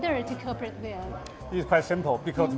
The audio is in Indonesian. semoga berjaya bertemu dengan anda